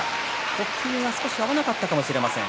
呼吸が少し合わなかったかもしれません。